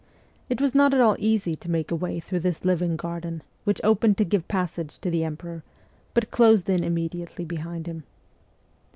It was not at all easy to make a way through this living garden, which opened to give passage to the emperor, but closed in immediately behind him.